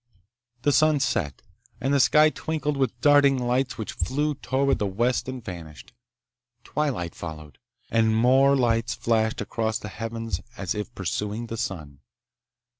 The sun set, and the sky twinkled with darting lights which flew toward the west and vanished. Twilight followed, and more lights flashed across the heavens as if pursuing the sun.